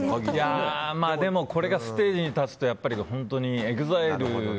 でもこれがステージに立つと本当にＥＸＩＬＥ。